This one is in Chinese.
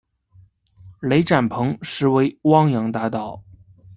雷展鹏实为汪洋大盗。